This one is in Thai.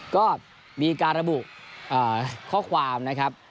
ก็มีการระบุข้อความนะครับ